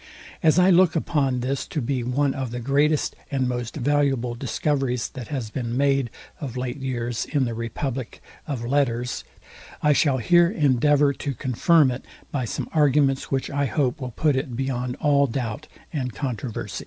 As I look upon this to be one of the greatest and most valuable discoveries that has been made of late years in the republic of letters, I shall here endeavour to confirm it by some arguments, which I hope will put it beyond all doubt and controversy.